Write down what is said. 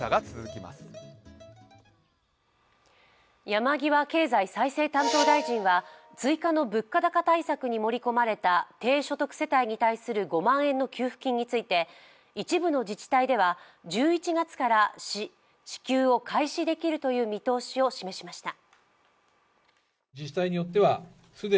山際経済再生担当大臣は、追加の物価高対策に盛り込まれた低所得世帯に対する５万円の給付金について一部の自治体では、１１月から支給を開始できるという見通しを示しました。